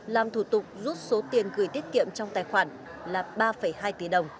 làm thủ tục rút số tiền gửi tiết kiệm trong tài khoản là ba hai tỷ đồng